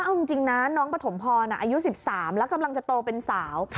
เอาจริงนะน้องปฐมพรอายุ๑๓แล้วกำลังจะโตเป็นสาว